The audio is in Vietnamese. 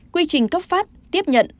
quy trình cấp phát tiếp nhận